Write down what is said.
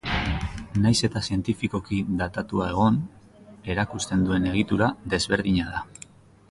Nahiz eta zientifikoki datatua egon, erakusten duen egitura desberdina da.